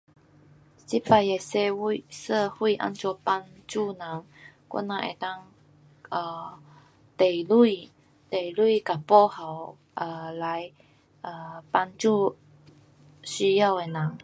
这次的社会，社会怎样帮助人，我人能够提钱，提钱跟保护来帮助有需要的人。